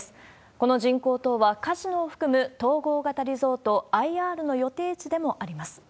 この人工島は、カジノを含む統合型リゾート・ＩＲの予定地でもあります。